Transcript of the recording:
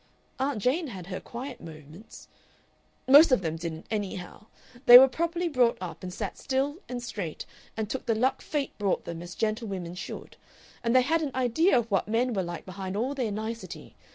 Aunt Jane had her quiet moments. Most of them didn't, anyhow. They were properly brought up, and sat still and straight, and took the luck fate brought them as gentlewomen should. And they had an idea of what men were like behind all their nicety.